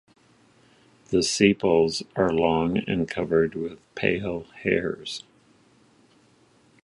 The sepals are long and covered with pale hairs.